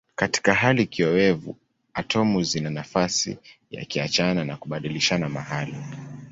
Katika hali kiowevu atomu zina nafasi ya kuachana na kubadilishana mahali.